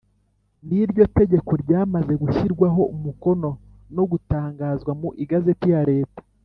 n’iryo tegeko ryamaze gushyirwaho umukono no gutangazwa mu igazeti ya leta